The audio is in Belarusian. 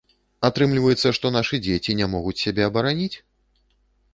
Атрымліваецца, што нашы дзеці не могуць сябе абараніць?